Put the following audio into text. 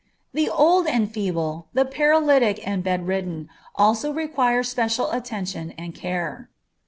The old and feeble, the paralytic and bedridden also require special attention and care.